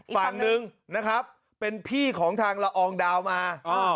ฝั่งนึงเป็นพี่ของทางละอองดาวมา